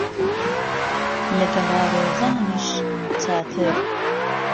له گهڵارێزانیش چاتر